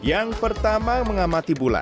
yang pertama mengamati